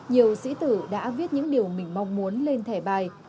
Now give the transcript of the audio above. nhiều sĩ tử đã viết những điều mình mong muốn lên thẻ bài